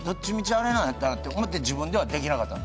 あれなんやったらって自分ではできなかったの？